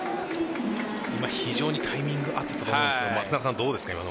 非常にタイミング合っていたと思うんですが今のはどうですか？